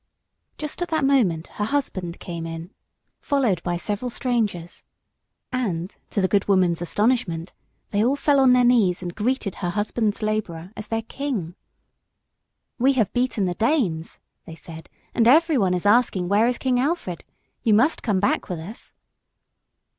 Just at that moment her husband came in followed by several strangers, and, to the good woman's astonishment, they all fell on their knees and greeted her husband's labourer as their King. "We have beaten the Danes," they said, "and everyone is asking where is King Alfred? You must come back with us."